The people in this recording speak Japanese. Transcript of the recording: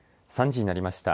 ３時になりました。